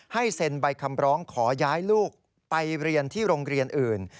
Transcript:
เซ็นใบคำร้องขอย้ายลูกไปเรียนที่โรงเรียนอื่น